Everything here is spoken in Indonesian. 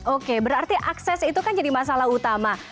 oke berarti akses itu kan jadi masalah utama